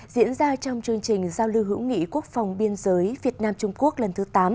diễn ra trong chương trình giao lưu hữu nghị quốc phòng biên giới việt nam trung quốc lần thứ tám